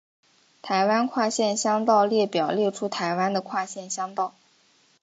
台湾跨县乡道列表列出台湾的跨县乡道。